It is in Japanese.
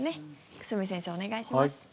久住先生、お願いします。